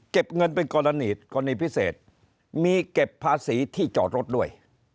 เงินเป็นกรณีกรณีพิเศษมีเก็บภาษีที่จอดรถด้วย